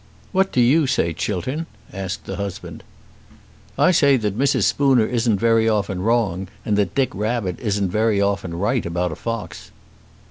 "What do you say, Chiltern?" asked the husband. "I say that Mrs. Spooner isn't very often wrong, and that Dick Rabbit isn't very often right about a fox."